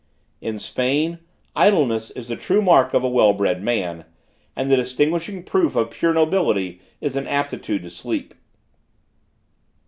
"In Spain, idleness is the true mark of a well bred man; and the distinguishing proof of pure nobility is an aptitude to sleep.